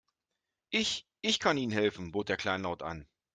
Ich, ich kann Ihnen helfen, bot er kleinlaut an.